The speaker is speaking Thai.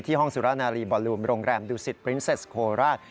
ห้องสุรนารีบอลลูมโรงแรมดูสิตบรินเซสโคราช